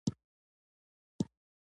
نن امریکا د سولې خبرې ورسره کوي.